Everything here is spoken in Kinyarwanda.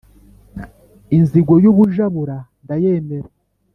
inzigo y'ubujabura ndayemera.